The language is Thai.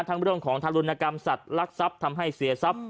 เรื่องของทารุณกรรมสัตว์ลักทรัพย์ทำให้เสียทรัพย์